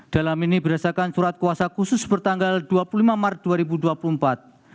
dalam ini berdasarkan surat kuasa khusus bertanggal dua puluh lima maret dua ribu dua puluh empat